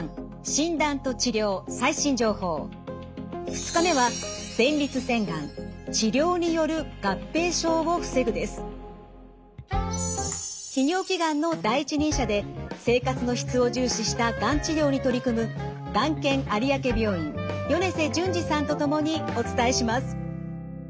２日目は泌尿器がんの第一人者で生活の質を重視したがん治療に取り組むがん研有明病院米瀬淳二さんと共にお伝えします。